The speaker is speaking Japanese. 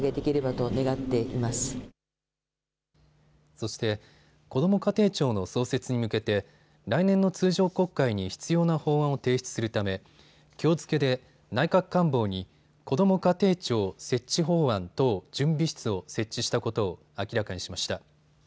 そしてこども家庭庁の創設に向けて来年の通常国会に必要な法案を提出するためきょう付けで内閣官房にこども家庭庁設置法案等準備室を設置したことを明らかにしました。